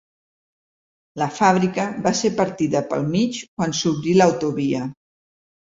La fàbrica va ser partida pel mig quan s'obrí l'autovia.